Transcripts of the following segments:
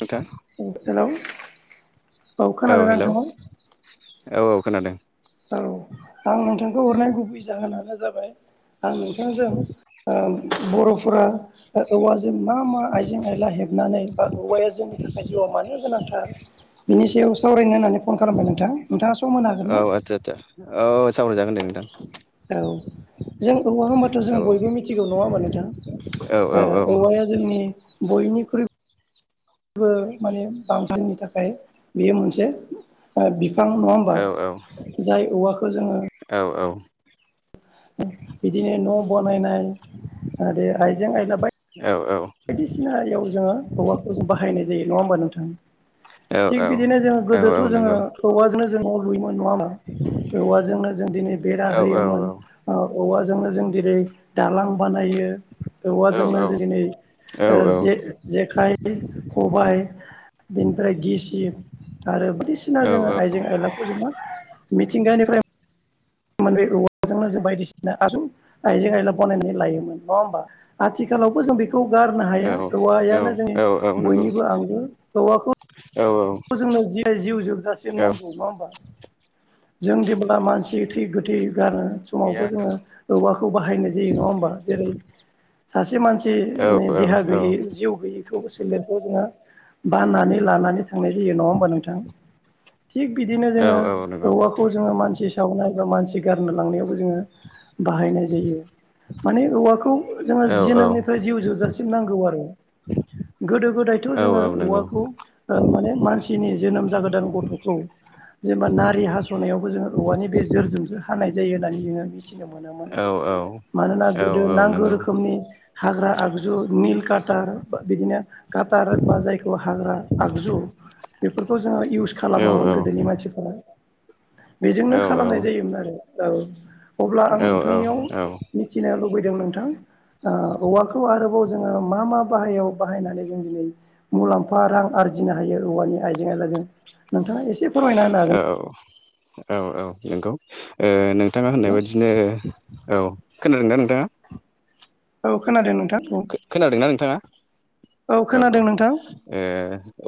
नोंथां उम हेलौ औ खोनादों ना नोंथाङा औ औ खोनादों औ आं नोंथांखौ हरनाय गुबै जाहोनानो जाबाय आं नोंथांजों ओ बर'फोरा ओ औवाजों मा मा आइजें आयला हेबनानै बा औवाया जोंनि थाखाय जिउआव मानो गोनांथार बिनि सायाव सावरायनो होननानै फन खालामबाय नोंथां नोंथाङा स औ आदसा आदसा औ सावराय जागोन दे नोंथां औ जों औवा होमबाथ' औ जों बयबो मिथिगौ नङा होमबा नोंथां औ ओ औवाया जोंनि बयनिख्रुइ बो माने बां साननि थाखाय बेयो मोनसे ओ बि फां नङा होमबा औ जाय औवाखौ जोङो औ बिदिनो न' बनायनाय आरो आइजें आयला बाय बायदिसिना आरियाव जोङो औवाखौ जों बाहायनाय जायो नङा होमबा नोंथां औ औ थिग बिदिनो जोङो औ गोदोथ' औ जोङो नंगौ औवाजोंनो जों न लुयोमोन नङा होमबा औवाजोंनो जों दिनै बेरा औ औ होयोमोन ओ औवाजोंनो जों दिेनै दालां बानायो औ औवाजोंनो जेरै नै ओ जे जेखाइ खबाय बिनिफ्राय गिसिब आरो बायदिसिना जोङो आइजें आयलाखौ जोङो मिथिंगानिफ्राय मोन बे औवाजोंनो जों बायदिसिना [unintelligible] आइजें आयला बानायनानै लायोमोन नङा होमबा आथिखाल खालावबो जों बेखौ गारनो हाया औवायानो जोंनि औ नंगौ औ औ नंगौ औ नंगौ औ नंगौ औ बयनिबो आंगो औवाखौ औ खौ जोंनो जि जिउ जोबजासिम नांगौ नङा होमबा? जों दिेबोब्ला मानसि थै गोथै गारनो समावबो जोङो औवाखौ बाहायनाय जायो नङा होमबा? जेरै सासे मानसिनि देहा गैयै जिउ गैयैखौ सेलेरखौ जोङो बानानै लानानै थांनाय जायो नङा होमबा नोंथां थिग बिदिनो जोङो औवाखौ जोङो मानसि सावनाय बा मानसि गारनो लांनायावबो जोङो बाहायनाय जायो माने औवाखौ जोङो जिनोमनिफ्राय जिउ जोबजासिम नांगौ आरो। गोदो गोदायथ' जोङो औवाखौ ओ माने मानसिनि जोनोम जागोदान गथ'खौ जेनेबा नारि हास'नायावबो जोङो औवानि बे जोरजोंसो हानाय जायो होननानै बुङो। मानोना गोदो नांगौ रोखोमनि हाग्रा आगजुनि काटार बिदिनो काटार बा जायखौ हाग्रा आगजु बेफोरखौ जोङो इउस खालामामोन गोदोनि मानसिफोरा बेजोंनो खालामनाय जायोमोन आरो औ अब्ला आं नोंथांनियाव औ मिथिनो लु बैदों नोंथां ओ औवाखौ आरोबाव जोङो मा मा बाहायाव बाहायनानै जोङो मुलामफा थां आरजिनो जिनो हायो औवानि आइजें-आयलाजों नोंथाङा एसे फोरमायना होनो हागोन औ ना? औ औ औ नोंगौ ओ नोंथाङा होननाय बायदिनो औ खोनादों ना नोंथाङा? औ खोनादों नों खोनादोंना नोंथाङा? औ औ ओ खोनादों नोंथां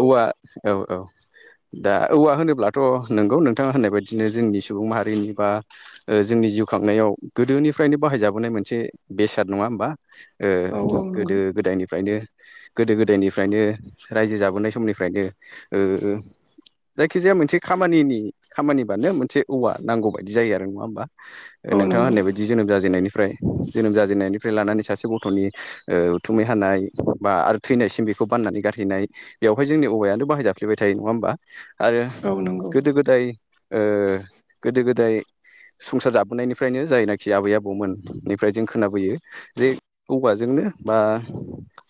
औवा औ औ दा औवा होनोब्लाथ' नोंगौ नोंथाङा होननाय बायदिनो जोंनि सुबुं माहारिनि बा ओ जोंनि जिउ खांनायाव गोदोनिफ्रायनो बाहायजाबोनाय मोनसे बेसाद नङा होमबा? औ नंगौ गोदो गोदायनिफ्रायनो गोदो गोदायनिफ्रायनो रायजो जाबोनाय समनिफ्रायनो ओ जायखिजाया मोनसे खामानिनि खामानिबानो मोनसे औवा नांगौ बायदि जायो आरो नङा होमबा? औ नोंथाङा नंगौ होननाय बायदि जोनोम जाजेननायनिफ्राय जोनोम जाजेननायनिफ्राय लानानै सासे गथ'नि ओ उथुमै हानाय बा आरो थैनायसिम बेखौ बाननानै गारहैनाय बेवहाय जोंनि औवायानो बाहाय जाब फ्लेबाय थायो नङा होमबा आरो औ नंगौ गोदो-गोदाय ओ गोदो-गोदाय संसार जाबोनायनिफ्रायनो जायनाखि आबै आबौमोननिफ्राय जों खोनाबोयो जे औवाजोंनो बा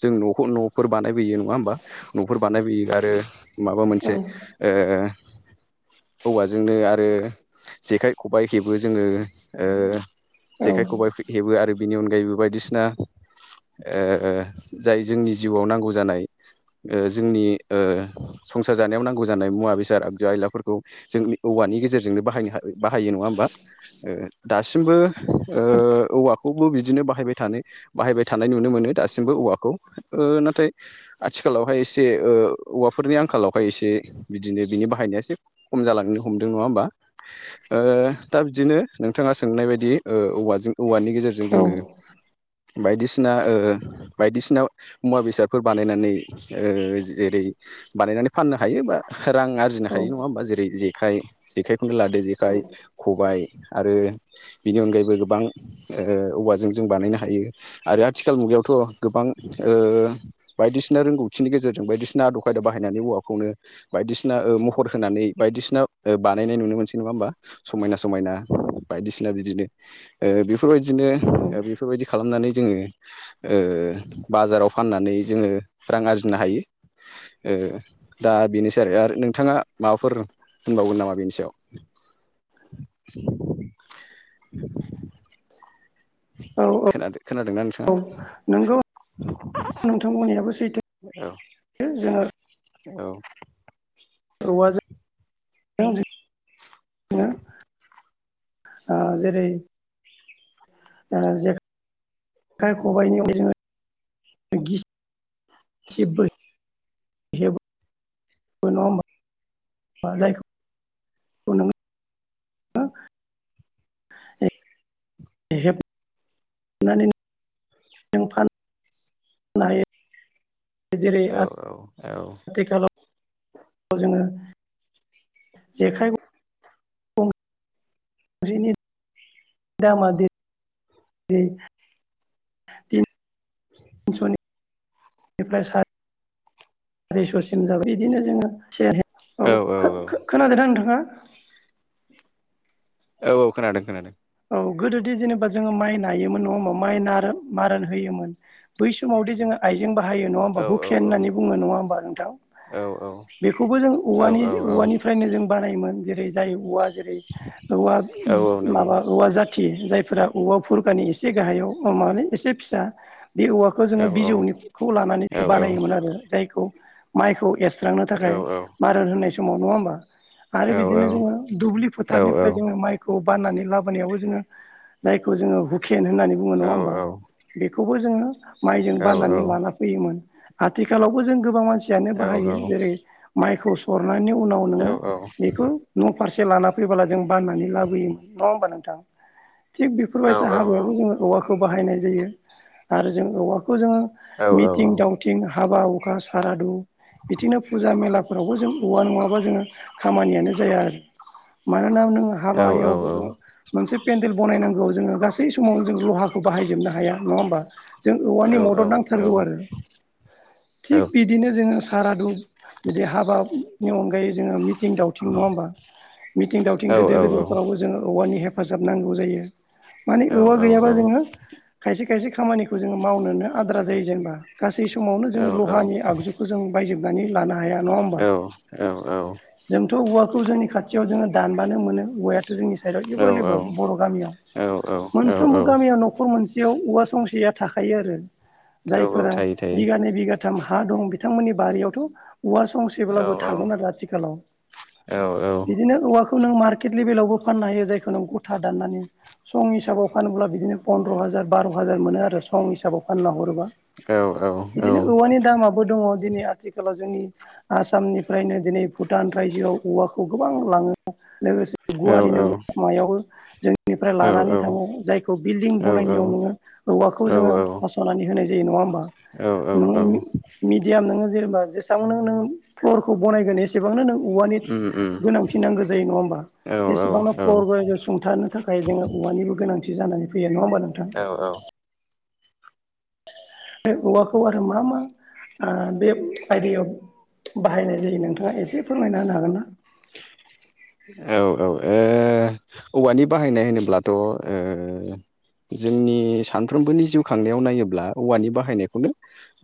जों न'खौ न'फोर बानायबोयो नङा होमबा न'फोर बानायबोयो आरो माबा औ मोनसे ओ औवाजोंनो आरो जेखाइ-खबाइ हेबो जोङो औ जेखाइ खबाइ हेबो आरो बिनि अनगायैबो बायदिसिना ओ जाय जोंनि जिउवाव नांगौ जानाय। ओ जोंनि ओ संसार जानायाव नांगौ जानाय मुवा-बेसाद आगजु आयलाफोरखौ जों औ औवानि गेजेरजोंनो बाहायनो बाहायो नङा होमबा दासिमबो ओ औवाखौ बिदिनो बाहायबाय थानो बाहायबाय थानाय नुनो मोनो दासिमबो औवाखौ ओ नाथाय आथिखालावहाय इसे औ फोरनि आंखालावहाय इसे बिदिनो बिनि बाहायनाया एसे खम जालांनो हमदों नङा होमबा ओ ओ दा बिदिनो नोंथाङा सोंनाय बायदि औवाजों औवानि गेजेरजों औ जोङो बायदिसिना ओ बायदिसिना मुवा-बेसादफोर बानायनानै ओ जेरै बानायनानै फाननो हायो बा रां आरजिनो हायो नङा होमबा जेरै जे खाइ जेखाइखौनो लादो जेखाइ, ख'बाय आरो बेनि अनगायैबो गोबां ओ औवाजों जों बानायनो हायो। आरो आथिखाल मुगायावथ' गोबां ओ बायदिसिना रोंगौथिनि गेजेरजों बायदिसिना आदब खान बाहायनानै औवाखौनो बायदिसिना ओ महर होनानै बायदिसिना बानायनाय नुनो मोनसै नङा होमबा। समायना समायना बायदिसिना बिदिनो ओ बेफोरबायदिनो औ बेफोरबायदि। खामनानै जोङो ओ बाजाराव फाननानै जोङो रां आरजिनो हायो। ओ दा बेनोसै आरो आरो नोंथाङा माबाफोर होनबावगोन नामा बेनि सायाव [inaudible] औ औ खोनादों खोनादोंना नोंथाङा औ नोंगौ। नोंथांमोननियाबो सैथो औ जोङो। औ। औवाजों जेरै ओ जेरै जेखाय खबाइनियाव जोङो [unintelligible] जेबो नङा होमबा बा जायखौ [unintelligible] [unintelligible] सनानै [unintelligible] ना हायो? जेरै औ औ औ। आथिखालाव जोङो जेखाइ गंसेनि दामा [unintelligible] [unintelligible] सारियस'सिम जाबाय बिदिनो जोङो सेर औ खोनादोंना नोंथाङा [inaudible] औ औ खोनादों खोनादों। गोदोदि जेनेबा जोङो माइ नायोमोन नङा होनबा मार होयोमोन बै समावदि जोङो आइजें बा। हायो नङा होनोमबा औ औ हुखिया औ होननानै बुङो नङा होमबा नोंथां। औ बेखौबो जों औवानि औ औ औवानिफ्रायनो जों बानायोमोन जेरै जाय औवा जेरै औवा औ औ मा नंगौ औवा जाथि जाय। जायफोरा औवा फुरगानि एसे गाहायाव मानि एसे फिसा बे औवाखौ औ जोङो औ बिजौनिखौ औ लानानै औ बानायोमोन आरो जायखौ माइखौ एस। सुस्रांनो थाखाय मारन होननाय समाव नङा होमबा? आरो बिदिनो जोङो दुब्लि फोथारनिफ्राय जोङो माइखौ बाननानै लाबो। ख जोङो जायखौ जोङो हुकेन होननानै बुङो नङा होमबा बेखौबो जोङो। माइजों बाननानै लाना फैयोमोन आथिखालावबो जों गोबां मानसियानो बाहायो जेरै माइ। खौ सरनायनि उनाव नोङो बेखौ न'। फारसे लाना फैबोला जों बाननानै लाबोयोमोन नङा होमबा नोंथां? थिग बेफोरबायसा हाबाआवबो जोङो औवाखौ बाहायनाय जायो आरो जों औवा। बे खौ जोङो मिथिं दावथिं हाबा हुखा सारादु बिदिनो फुजा मेलाफोरावबो जों औवा नङाबा जोङो खामानियानो जाया आरो मानो। हाबायावबो दङ। मोनसे पेेनन्देल बानायनांगौआव जोङो गासै समावनो जों लहाखौ बाहायजोबनो हाया नङा होमबा? जों औवानि मदद औ नांथारगौ आरो। औ थिग बिदिनो जोङो सारादु बिदि हाबा। बेनि अनगायै जोङो मिं दावथिं नङा होमबा मिथिं औ थायो औ दावथिं गेदेर गेदेरफोरावबो जोङो औवानि हेफ हेफाजाब नांगौ जायो माने औवा गैयाबा जोङो खायसे खायसे खामानिखौ जोङो मावनोनो आद्रा जायो जेनेबा गासै समावनो जोङो लहानि आगजुखौ जों बायजोब लानो हाया नङा होनबा। बेखौ जोंनि खाथियाव जोङो दानबानो मोनो औवायाथ जोंनि साइडआव एभेललबेल बर' गामियाव मोनफ्रोमबो गामियाव न'खर मोनसेयाव औवा संसेया थाखायो आरो जायफोरा बिगानै बिगाथाम हा दं बिथांमोननि बारियावथ' औवा संसेब्लाबो थागोन आरो आथिखालाव बिदिनो औवाखौ बे नों मार्कट लेभेलावबो फाननो हायो जायखौ नों आथा दाननानै सं हिसाबाव फानोब्ला बिदिनो पन्द्र' हाजार बार' हाजार मोनो आरो सं हिसाबाव फानना हरोबा बिदिनो औवानि दामाबो दङ दिनै आथिखालाव जोंनि आसामनिफ्रायनो दिनै भुटान रायजोयाव औवाखौ गोबां लाङो लोगोसे गुवारि नोगोर मायावबो निफ्राय लानानै थाङो जायखौ बिल्डिं बनायनायाव नोङो औवाखौ औ जोङो हास'नानै होनाय जायो रो नङा होनबा औ नों औ औ मेडियाम नोङो जेनेबा जेसेबां नों नों फ्ल'रखौ बानायनायगोन एसेबांनो नों औवानि उम उम गोनांथि नांगौ जायो नङा होमबा औ औ जेसेबांना फर बानायगोन थाखाय जोङो औवानिबो गोनांथि जानानै फैयो नङा होमबा नोंथां औ औ बे औवाखौ आरो मा मा ओ बे आयदायाव बाहायनाय जायो नोंथाङा एसे फोरमायना होनो हागोन ना? औ औ औवानि ओ बाहायनाय होनोब्लाथ' ओ जोंनि सानफ्रोमबोनि जिउ खांनायाव नायोब्ला औवानि बाहायनायखौनो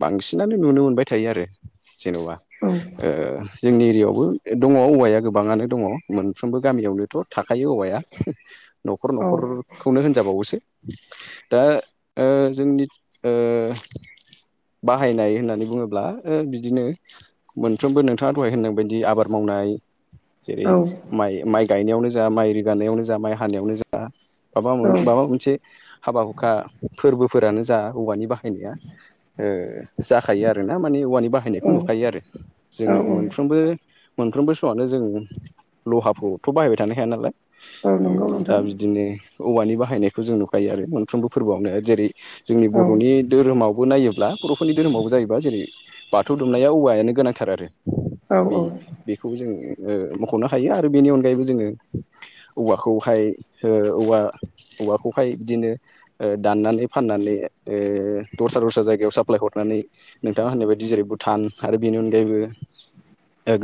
बांसिनानो नुनो मोनबाय थायो आरो जेन'बा औ ओ जोंनि एरियायावबो दङ औवाया गोबाङनो दङ मोनफ्रोमबो गामियावनोथ' थाखायो औवाया न'खर औ न'खरखौनो होनजाबावोसो दा ओ जोंनि ओ बाहायनाय होननानै बुङोब्ला बिदिनो मोनफ्रोमबो नोंथाङा दहाय होनननाय बायदि आबाद माव नाय जेरै औ माइ माइ गायनायावनो जा माइ रोगानायावनो जा माइ हानायावनो जा माबा मोन माबा मोनसे हाबा हुखा फोरबोफोरानो जा औवानि बाहायनाया ओ जाखायो आरोना मानि औवानि बाहायनायखौ नुखायो आरो जों औ औ मोनफ्रबो मोनफ्रबो समनो ज जों लहाखौथ' बाहायबाय थानो हाया नालाय औ नंगौ दा नोंथां बिदिनो औवानि बाहायनायखौ जों नुखायो आरो मोनफ्रोमबो फोरबोयावनो जेरै जोंनि औ बर'नि दोरोमाव नायोब्ला बर'फोरनि दोरोमावबो जायोबा जेरै बाथौ दुमनाइयाव औवायानो गोनांथार आरो औ बे बेखौबो जोङो ओ मख'नो हायो आरो बेनि अनगायैबो जोङो औवाखौहाय औवा औवाखौहाय बिदिनो ओ दाननानै फाननानै दस्रा दस्रा जायगायाव साप्लाय हरनानै नोंथाङा होननाय बायदि जेरै भुटान आरो बेनि अनगायैबो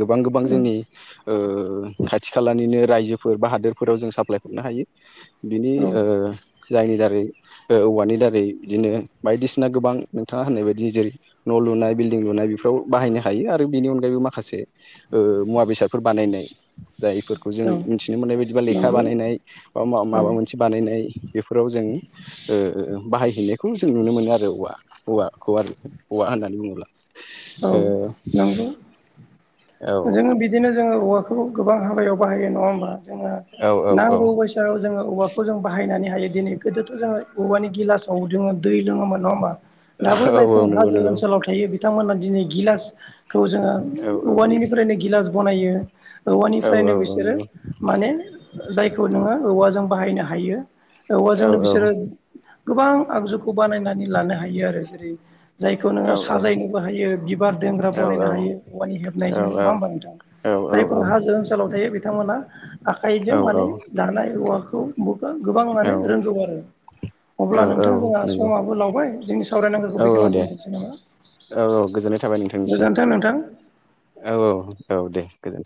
गोबां गोबां औ जोंनि ओ खाथि खालानिनो रायजोफोर बा हादोरफोराव जों साप्लाय हरनो हायो बिनि ओ जायनि दारै औवानि दारै बिदिनो बायदिसिना गोबां नोंथाङा होननाय बायदि जेरै न' लुनाय बिल्डं लुनाय बेफोराव बाहायनो हायो आरो बिनि अनगायैबो माखासे मुवा बेसाद फोर बानायनाय जाय फोरखौ जों औ मिथिनो मोननाय बायदिबा लेखा नंगौ बानायनाय बा औ माबा मोनसे बानायनाय बेफोराव जों ओ बाहायहैनायखौ जों नुनो मोनो आरो औवा औवाखौ आरो औवा होनना बुङोब्ला औ ओ नंगौ औ जोङो बिदिनो जोङो औवाखौ गोबां हाबायाव बाहायो नङा होमबा जोंहा औ औ औ नांगौ बायसा जोङो औवाखौ जों बाहायनानै हायो दिनै गोदोथ' जोङो औवानि गिलासाव जोङो दै लोङोमोन नङा होमबा दाबो औ जायफोरा नंगौ हाजो नंगौ ओनसोलाव थायो बिथांमोना दिनै गिलासखौ जोङो औ औवानिनिफ्रायनो गिलास बनायो औ औ औवानिफ्रायनो औ बिसोरो नंगौ माने जायखौ नोङो औवाजों बाहायनो हायो औ औवाजोंनो बिसोरो गोबां आगजुखौ बानायनानै लानो हायो आरो जायखौ औ नोङो साजायनोबो हायो बार दोंग्रा औ बनायनो हायो औवानि औ हेबनायजों नङा होमबा नोंथां औ औ जायफोरा हाजो थायो बिथांमोना आखाइजों माने दानाय औवाखौ गोबां माने रोंगौ आरो अब्ला नोंथां जोंहा नंगौ समाबो लावबाय जोंनि औ सावरायनांगौखौ बेखिनिनो दोनथ'नोसै नामा? साबायखर थाबाय नोंथांनिसिम गोजोन्थों नोंथां औ औ औ दे गोजोनथों